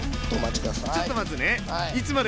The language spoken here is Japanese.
ちょっと待つね。